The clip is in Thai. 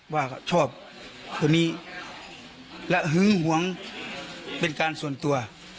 ว่าชอบคนนี้และหึงหวงเป็นการส่วนตัว